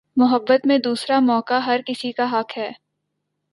محبت میں دوسرا موقع ہر کسی کا حق ہے